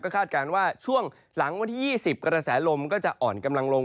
คาดการณ์ว่าช่วงหลังวันที่๒๐กระแสลมก็จะอ่อนกำลังลง